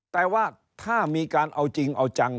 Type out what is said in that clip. แต่ว่าถ้ามีการเอาจริงเอาจัง